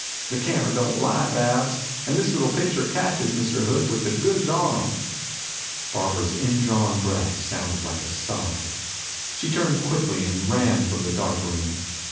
The camera don't lie, Babs. And this little picture catches Mr. Hood with the goods on him." Barbara's indrawn breath sounded like a sob. She turned quickly and ran from the dark room.